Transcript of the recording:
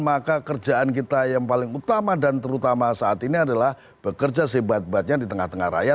maka kerjaan kita yang paling utama dan terutama saat ini adalah bekerja sebatnya di tengah tengah raya